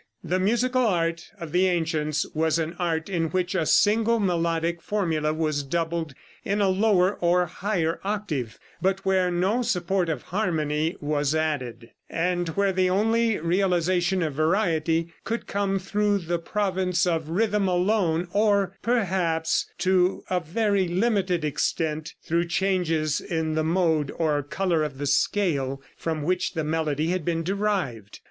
The musical art of the ancients was an art in which a single melodic formula was doubled in a lower or higher octave, but where no support of harmony was added, and where the only realization of variety could come through the province of rhythm alone; or, perhaps, to a very limited extent through changes in the mode or color of the scale from which the melody had been derived.